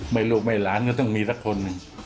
ไม่ลูกไม่หลานก็ต้องมีสักคน